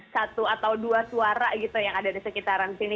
satu atau dua suara gitu yang ada di sekitaran sini